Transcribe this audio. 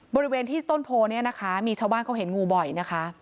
บริเวณที่ต้นโพเนี่ยนะคะมีชาวบ้านเขาเห็นงูบ่อยนะคะ